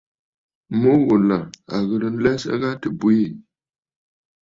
Mu ghùlà à ghɨ̀rə nlɛsə gha tɨ bwiì.